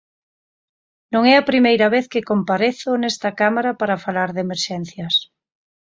Non é a primeira vez que comparezo nesta Cámara para falar de emerxencias.